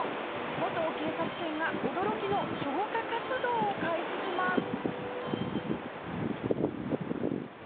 元警察犬が驚きの消火活動を開始します。